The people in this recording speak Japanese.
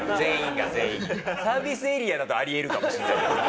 サービスエリアだとあり得るかもしれないけど。